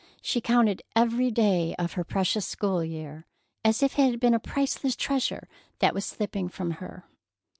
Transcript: She counted every day of her precious school year, as if it had been a priceless treasure that was slipping from her.